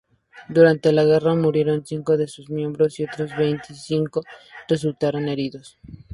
Durante la guerra murieron cinco de sus miembros, y otros veinticinco resultaron heridos.